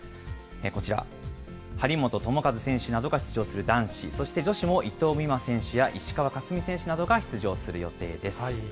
こちら、張本智和選手などが出場する男子、そして女子も伊藤美誠選手や石川佳純選手などが出場する予定です。